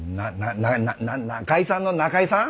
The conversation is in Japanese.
な仲居さんの中井さん？